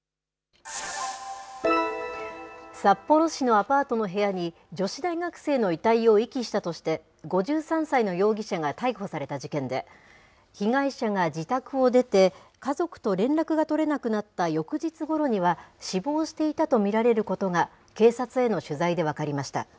札幌市のアパートの部屋に、女子大学生の遺体を遺棄したとして、５３歳の容疑者が逮捕された事件で、被害者が自宅を出て、家族と連絡が取れなくなった翌日ごろには、死亡していたと見られることが、警察への取材で分かりました。